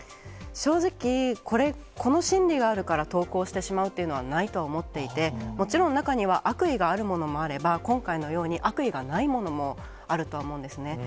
正直、この心理があるから投稿してしまうというのはないと思っていて、もちろん中には悪意があるものもあれば、今回のように、悪意がないものもあるとは思うんですね。